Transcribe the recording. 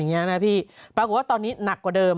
ทำอย่างนี้นะพี่ปรากฏว่าตนนี้หนักกว่าเดิม